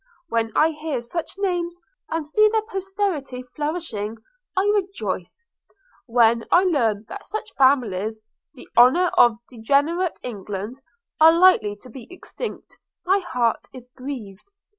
When I hear such names, and see their posterity flourishing, I rejoice – When I learn that such families, the honour of degenerate England, are likely to be extinct, my heart is grieved.